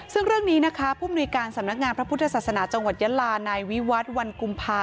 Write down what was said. ซึ่งเรื่องนี้นะคะผู้มนุยการสำนักงานพระพุทธศาสนาจังหวัดยะลานายวิวัฒน์วันกุมภา